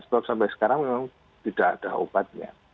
karena sampai sekarang memang tidak ada obatnya